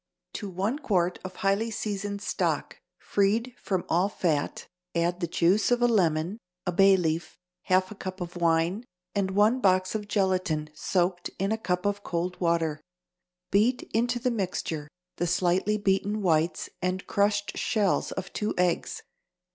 = To one quart of highly seasoned stock, freed from all fat, add the juice of a lemon, a bay leaf, half a cup of wine and one box of gelatine soaked in a cup of cold water. Beat into the mixture the slightly beaten whites and crushed shells of two eggs.